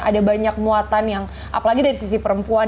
ada banyak muatan yang apalagi dari sisi perempuan